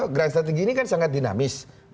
grand strategy ini kan sangat dinamis